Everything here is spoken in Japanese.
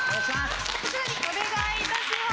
こちらにお願いいたします。